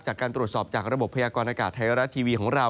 จากการตรวจสอบจากระบบพยากรณากาศไทยรัฐทีวีของเรา